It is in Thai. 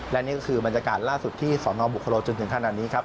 และนี่ก็คือบรรยากาศล่าสุดที่สนบุคโลจนถึงขนาดนี้ครับ